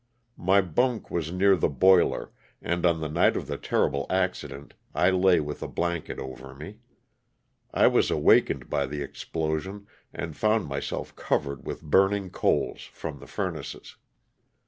My bunk wasnear the boiler, and on the night of the terrible accident I lay with a blanket over me. I was awakened by the explo sion and found mynelf covered with burning coals from the furnaces.